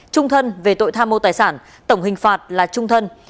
trung thân về tội tham mô tài sản tổng hình phạt là trung thân